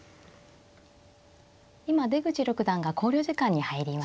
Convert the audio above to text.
今出口六段が考慮時間に入りました。